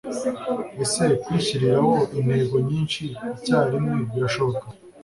ese kwishyiriraho intego nyinshi icyarimwe birashoboka